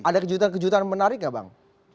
ada kejutan kejutan menarik nggak bang